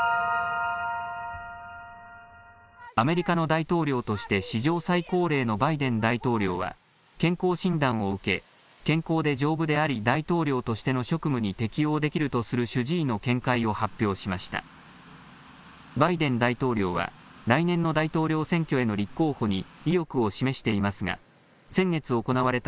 アメリカの大統領として史上最高齢のバイデン大統領は健康診断を受け健康で丈夫であり大統領としての職務に適応できるとする主治医の見解を発表しました。